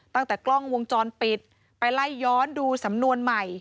ตั้งแต่กล้องวงจรปิดไปไล่ย้อนดูสำนวนใหม่